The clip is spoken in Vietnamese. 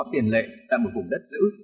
tiền lệ tại một vùng đất giữ